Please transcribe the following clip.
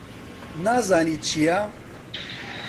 نازانی چییە؟